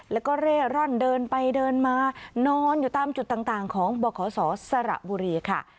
แล้วก็เร่ร่อนเดินไปเดินมานอนอยู่ตามจุดต่างของบขสสระบุรีค่ะ